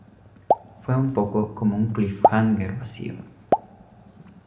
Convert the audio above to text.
Fue un poco como un cliffhanger vacío.